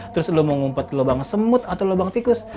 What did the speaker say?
terus lu mau ngumpet lubang semut atau lubang tikus